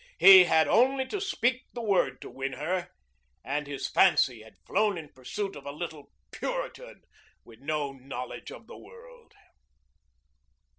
He had only to speak the word to win her, and his fancy had flown in pursuit of a little Puritan with no knowledge of the world.